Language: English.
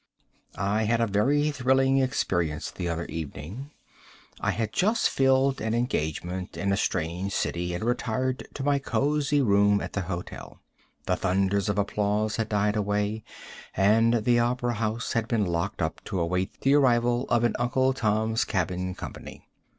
I had a very thrilling experience the other evening. I had just filled an engagement in a strange city, and retired to my cozy room at the hotel. The thunders of applause had died away, and the opera house had been locked up to await the arrival of an Uncle Tom's Cabin Company.